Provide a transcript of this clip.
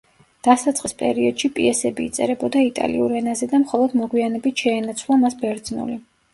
დასაწყის პერიოდში პიესები იწერებოდა იტალიურ ენაზე და მხოლოდ მოგვიანებით შეენაცვლა მას ბერძნული.